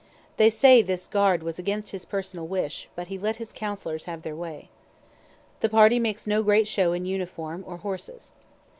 They say this guard was against his personal wish, but he let his counselors have their way. The party makes no great show in uniform or horses.